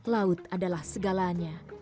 laut adalah segalanya